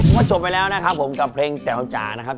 ว่าจบไปแล้วนะครับผมกับเพลงแจ๋วจ๋านะครับ